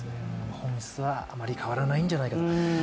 本質はあまり変わらないんじゃないかと。